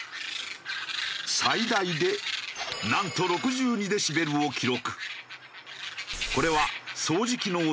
最大でなんと６２デシベルを記録。